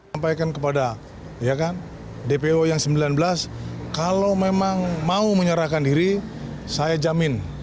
sampaikan kepada dpo yang sembilan belas kalau memang mau menyerahkan diri saya jamin